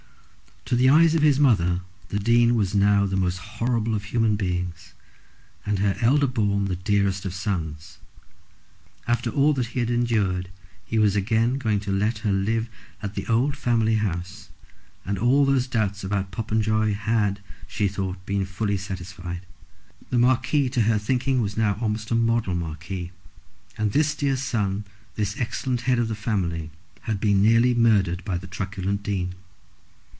To the eyes of his mother the Dean was now the most horrible of human beings, and her eldest born the dearest of sons. After all that he had endured he was again going to let her live at the old family house, and all those doubts about Popenjoy had, she thought, been fully satisfied. The Marquis to her thinking was now almost a model Marquis, and this dear son, this excellent head of the family, had been nearly murdered by the truculent Dean.